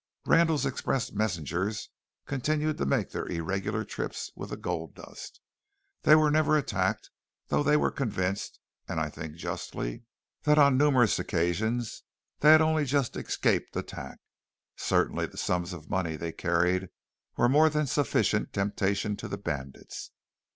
Randall's express messengers continued to make their irregular trips with the gold dust. They were never attacked, though they were convinced, and I think justly, that on numerous occasions they had only just escaped attack. Certainly the sums of money they carried were more than sufficient temptation to the bandits.